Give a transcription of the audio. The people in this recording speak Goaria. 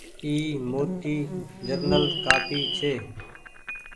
اي موٽي جنرل ڪآپي ڇي۔